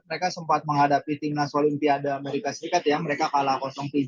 mereka sempat menghadapi team national olympiad amerika serikat yang mereka kalah tiga